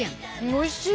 おいしい。